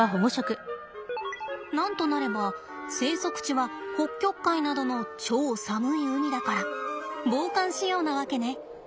なんとなれば生息地は北極海などの超寒い海だから防寒仕様なわけね。